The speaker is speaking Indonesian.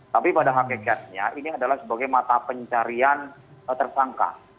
tapi pada hakikatnya ini adalah sebagai mata pencarian tersangka